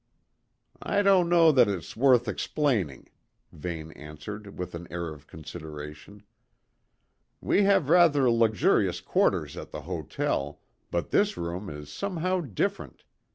"I don't know that it's worth explaining," Vane answered with an air of consideration. "We have rather luxurious quarters at the hotel, but this room is somehow different.